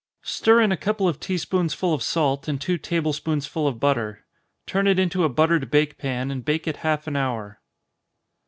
Stir in a couple of tea spoonsful of salt, and two table spoonful of butter. Turn it into a buttered bake pan, and bake it half an hour.